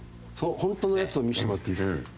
本当のやつを見せてもらっていいですか？